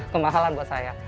kemahalan buat saya